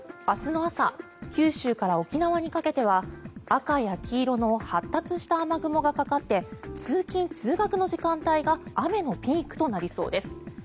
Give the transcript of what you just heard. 明日の朝九州から沖縄にかけては赤や黄色の発達した雨雲がかかって通勤・通学の時間帯が雨のピークとなりそうです。